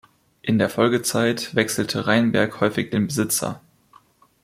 In der Folgezeit wechselte Reinberg häufig den Besitzer.